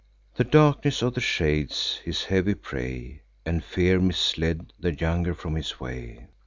The darkness of the shades, his heavy prey, And fear, misled the younger from his way.